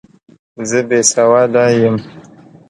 زه بې سواده یم!